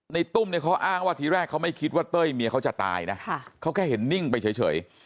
ตุ้มเนี่ยเขาอ้างว่าทีแรกเขาไม่คิดว่าเต้ยเมียเขาจะตายนะเขาแค่เห็นนิ่งไปเฉย